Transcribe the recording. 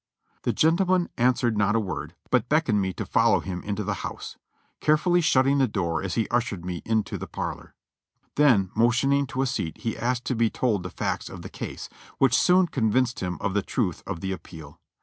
The gentleman answered not a word, but beckoned me to fol low him into the house, carefully shutting the door as he ushered me in to the parlor; then, motioning to a seat, he asked to be told the facts of the case, which soon convinced him of the truth of the appeal.